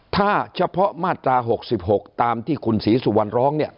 ถ้าเฉพาะมาตรา๖๖ตามที่คุณศรีสุวรรณร้องเนี่ย